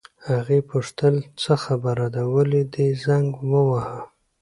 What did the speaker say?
هغې وپوښتل: څه خبره ده، ولې دې زنګ وواهه؟